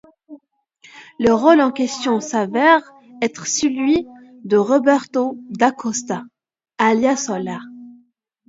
Le rôle en question s'avère être celui de Roberto Da Costa, alias Solar.